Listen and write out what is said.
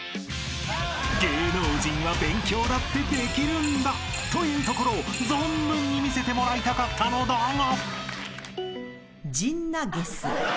［芸能人は勉強だってできるんだというところを存分に見せてもらいたかったのだが］